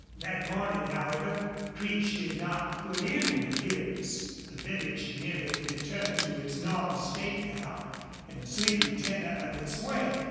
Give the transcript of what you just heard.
That morning, however, Creech did not put in an appearance. The village had nearly returned to its normal state now, and the sleepy tenor of its way.